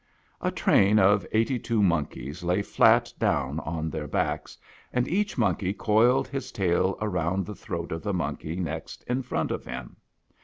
A train of eighty two monkeys lay flat down on their backs, and each monkey coiled his tail around the throat of the monkey next in front of him.